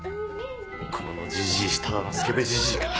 このじじいただのスケベじじいか。